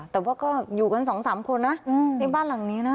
แต่ว่าก็อยู่กันสองสามคนนะในบ้านหลังนี้นะ